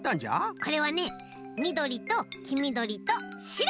これはねみどりときみどりとしろ。